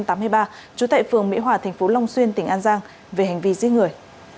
trú tại phường mỹ hòa thành phố long xuyên tỉnh an giang về hành vi giết người